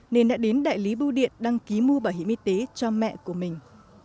nên đã đến đại lý bưu điện đăng ký mua bảo hiểm y tế cho mẹ của mình